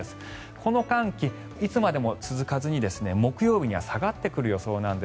この寒気、いつまでも続かずに木曜日には下がってくる予想なんです